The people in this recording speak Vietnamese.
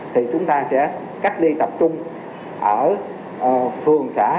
thì chúng ta sẽ cách ly tập trung ở phường xã